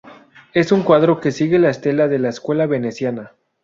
Es un cuadro que sigue la estela de la Escuela veneciana.